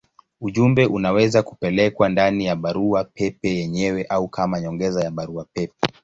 Ujumbe unaweza kupelekwa ndani ya barua pepe yenyewe au kama nyongeza ya barua pepe.